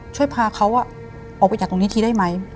ช่วยพาเขาออกไปจากตรงนี้ทีได้ไหม